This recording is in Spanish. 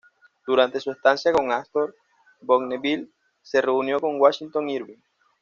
Durante su estancia con Astor, Bonneville se reunió con Washington Irving.